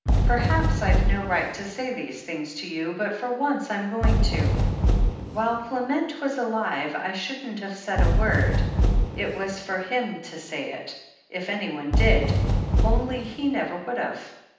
"Perhaps I've no right to say these things to you, but for once I'm going to. While Clement was alive THE HEEL OF ACHILLES 413 I shouldn't have said a word — ^it was for him to say it, if anyone did, only he never would have.